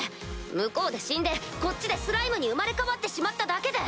向こうで死んでこっちでスライムに生まれ変わってしまっただけで！